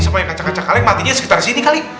sama yang kacak kacak kalian matinya sekitar sini kali